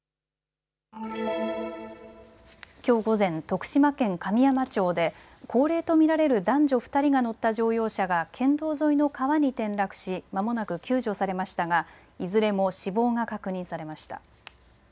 きょう午前、徳島県神山町で高齢と見られる男女２人が乗った乗用車が県道沿いの川に転落しまもなく救助されましたがいずれも死亡が確認されました。